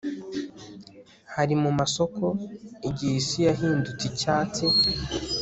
hari mu masoko, igihe isi yahindutse icyatsi